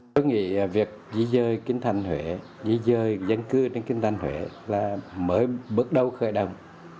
tôi nghĩ việc di trời kinh thành huế di trời dân cư đến kinh thành huế là mới bước đầu khởi động